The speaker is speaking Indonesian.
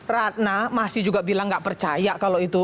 ratna masih juga bilang nggak percaya kalau itu